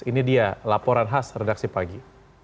ini dia laporan khas redaksi pagi